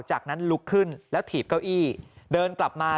จากนั้นลุกขึ้นแล้วถีบเก้าอี้เดินกลับมา